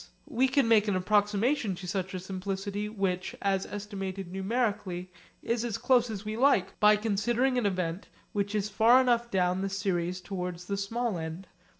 We can make an approximation to such a simplicity which, as estimated numerically, is as close as we like by considering an event which is far enough down the series towards the small end.